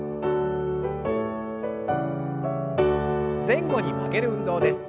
前後に曲げる運動です。